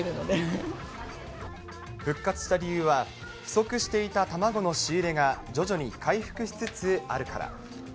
復活した理由は、不足していた卵の仕入れが徐々に回復しつつあるから。